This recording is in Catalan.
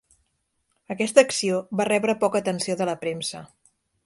Aquesta acció va rebre poca atenció de la premsa.